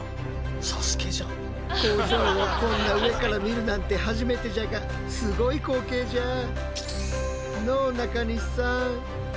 工場をこんな上から見るなんて初めてじゃがすごい光景じゃあ！